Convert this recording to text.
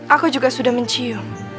aku juga sudah mencium